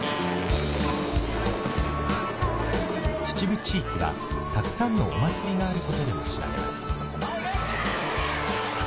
秩父地域は、たくさんのお祭りがあることでも知られます。